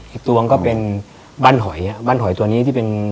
อีกตัวนั้นก็เป็นบั้นหอยบั้นหอยตัวนี้ที่เป็น